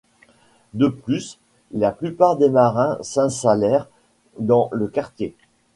De plus, la plupart des marins s'insallèrent dans le quartier.